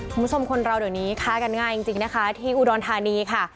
คุณผู้ชมคนเราเดี๋ยวนี้ค้ากันง่ายจริงนะคะที่อุดรธานีค่ะ